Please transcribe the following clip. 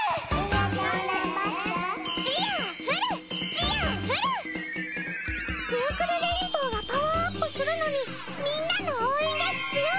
ミュークルレインボウがパワーアップするのにみんなの応援が必要みゃ。